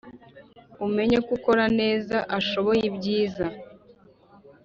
umenye ko ukora neza ashoboye ibyiza